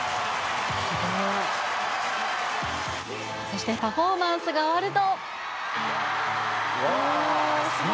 そしてパフォーマンスが終わると。